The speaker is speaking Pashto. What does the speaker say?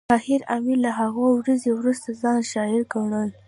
طاهر آمین له هغې ورځې وروسته ځان شاعر ګڼل